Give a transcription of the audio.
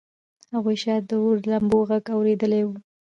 هغوی شاید د اور د لمبو غږ اورېدلی و